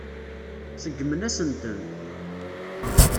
Seggmen-asent-ten.